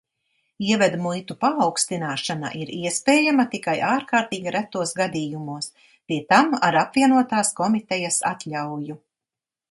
Ievedmuitu paaugstināšana ir iespējama tikai ārkārtīgi retos gadījumos, pie tam ar apvienotās komitejas atļauju.